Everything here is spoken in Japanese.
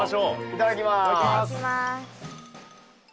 いただきます。